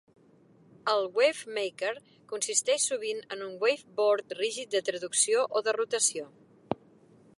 El wavemaker consisteix sovint en un wave board rígid de traducció o de rotació.